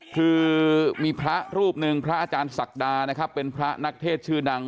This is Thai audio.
คือมีพระรูปหนึ่งพระอาจารย์ศักดานะครับเป็นพระนักเทศชื่อดัง